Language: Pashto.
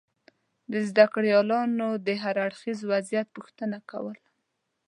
د زده کړیالانو دهر اړخیز وضعیت پوښتنه کول